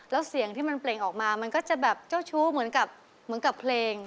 แล้วเสียงที่มันเปล่งออกมามันก็จะแบบเจ้าชู้เหมือนกับเหมือนกับเพลง